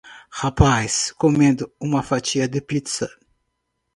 Rapaz comendo uma fatia de pizza